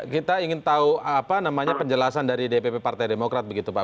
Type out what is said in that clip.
kita ingin tahu apa namanya penjelasan dari dpp partai demokrat begitu pak